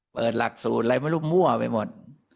หลักสูตรอะไรไม่รู้มั่วไปหมด